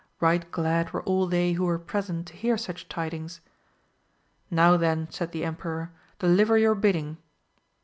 Eight glad were all they who were present to hear such tidings. Now then> said the emperor, deliver your bidding.